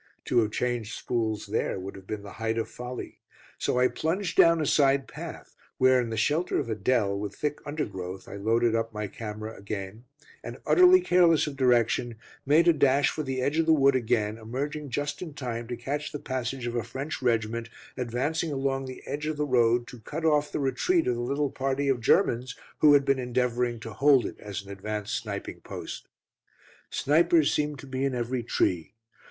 To have changed spools there would have been the height of folly, so I plunged down a side path, where in the shelter of a dell, with thick undergrowth, I loaded up my camera again, and utterly careless of direction, made a dash for the edge of the wood again, emerging just in time to catch the passage of a French regiment advancing along the edge of the wood to cut off the retreat of the little party of Germans who had been endeavouring to hold it as an advanced sniping post. Snipers seemed to be in every tree.